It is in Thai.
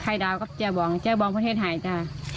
ไทยดาวก็เจียบองเจียบองเพราะเทศไอจ้ะ